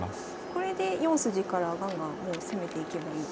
これで４筋からガンガンもう攻めていけばいいと。